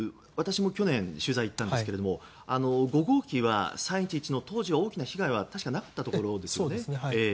私も去年、取材に行ったんですが５号機は３・１１の当時は大きな被害は確か、なかったところですよね。